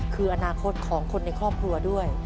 คืออนาคตของคนในครอบครัวด้วย